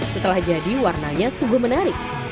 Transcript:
setelah jadi warnanya sungguh menarik